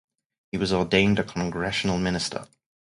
He was ordained a Congressional minister.